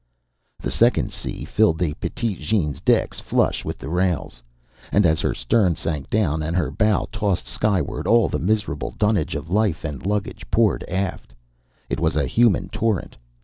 The second sea filled the Petite Jeanne's decks flush with the rails; and, as her stern sank down and her bow tossed skyward, all the miserable dunnage of life and luggage poured aft. It was a human torrent.